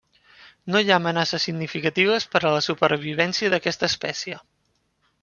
No hi ha amenaces significatives per a la supervivència d'aquesta espècie.